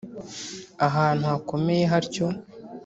ahantu hakomeye hatyo